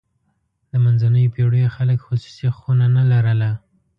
د منځنیو پېړیو خلک خصوصي خونه نه لرله.